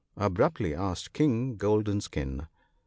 " abruptly asked King Golden skin.